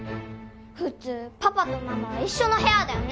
普通パパとママは一緒の部屋だよね